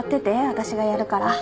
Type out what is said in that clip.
私がやるから。